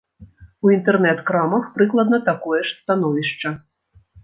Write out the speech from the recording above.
У інтэрнэт-крамах прыкладна такое ж становішча.